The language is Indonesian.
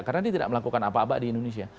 karena dia tidak melakukan apa apa di indonesia